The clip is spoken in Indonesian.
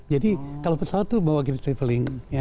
jadi kalau pesawat itu bahwa kita traveling ya